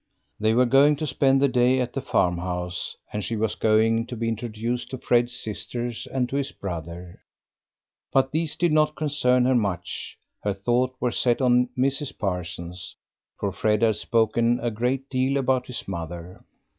They were going to spend the day at the farm house, and she was going to be introduced to Fred's sisters and to his brother. But these did not concern her much, her thoughts were set on Mrs. Parsons, for Fred had spoken a great deal about his mother.